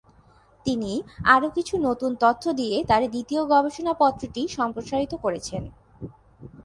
তিনি আরো কিছু নতুন তথ্য দিয়ে তার দ্বিতীয় গবেষণাপত্রটি সম্প্রসারিত করেছেন।